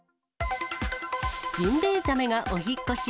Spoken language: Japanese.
ジンベエザメがお引っ越し。